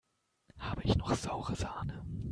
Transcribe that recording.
Habe ich noch saure Sahne?